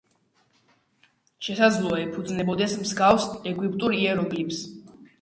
შესაძლოა ეფუძნებოდეს მსგავს ეგვიპტურ იეროგლიფს.